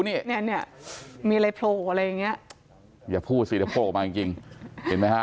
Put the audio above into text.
มีอะไรโพลกกว่าอะไรอย่างเงี้ยอย่าพูดสิจะโพลกมาจริงจริงเห็นไหมฮะ